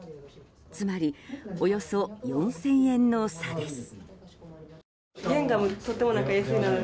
つまりおよそ４０００円の差です。